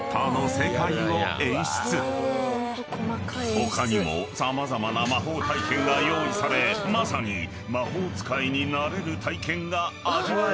［他にも様々な魔法体験が用意されまさに魔法使いになれる体験が味わえるのだ］